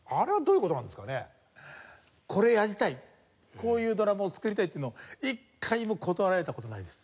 「こういうドラムを作りたい」っていうのを一回も断られた事ないです。